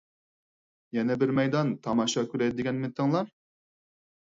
يەنە بىر مەيدان تاماشا كۆرەي دېگەنمىتىڭلار؟